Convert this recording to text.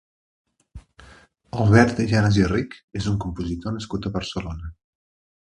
Albert Llanas i Rich és un compositor nascut a Barcelona.